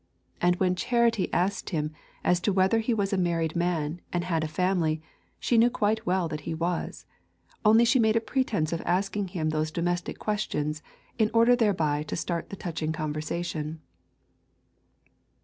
And when Charity asked him as to whether he was a married man and had a family, she knew quite well that he was, only she made a pretence of asking him those domestic questions in order thereby to start the touching conversation.